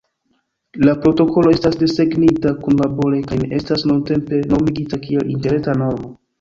La protokolo estas desegnita kunlabore kaj ne estas nuntempe normigita kiel interreta normo.